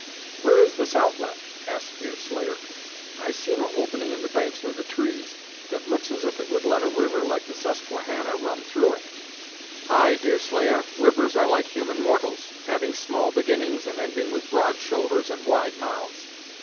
"Where is this outlet?" asked Deerslayer; "I see no opening in the banks or the trees, that looks as if it would let a river like the Susquehannah run through it." "Ay, Deerslayer, rivers are like human mortals; having small beginnings, and ending with broad shoulders and wide mouths.